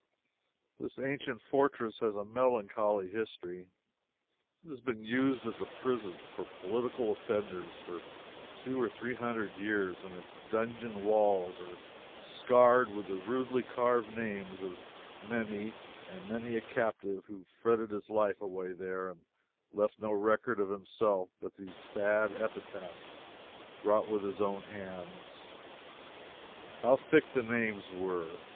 This ancient fortress has a melancholy history. It has been used as a prison for political offenders for two or three hundred years, and its dungeon walls are scarred with the rudely carved names of many and many a captive who fretted his life away here and left no record of himself but these sad epitaphs wrought with his own hands. How thick the names were!